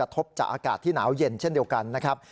ที่หนาวเย็นเช่นเดียวกันนะครับ